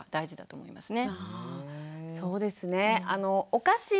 そうですね。